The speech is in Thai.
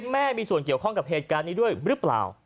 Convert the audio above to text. แม่มีส่วนเกี่ยวข้องกับเหตุการณ์นี้ด้วยหรือเปล่า